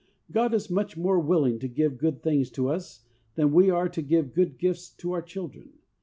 God is much more willing to give good things to us than we are to give good gifts to our children.